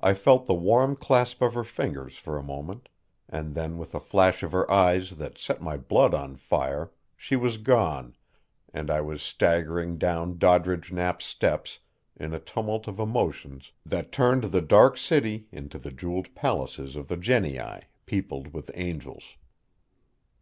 I felt the warm clasp of her fingers for a moment, and then with a flash of her eyes that set my blood on fire she was gone, and I was staggering down Doddridge Knapp's steps in a tumult of emotions that turned the dark city into the jeweled palaces of the genii peopled with angels.